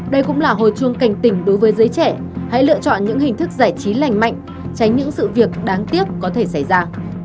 đây cũng là hồi chuông cảnh tỉnh đối với giới trẻ hãy lựa chọn những hình thức giải trí lành mạnh tránh những sự việc đáng tiếc có thể xảy ra